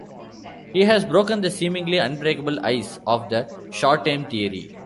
He has broken the seemingly unbreakable ice of the "short aim theory".